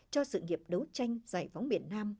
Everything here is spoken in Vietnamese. cho sự nghiệp đấu tranh giải phóng miền nam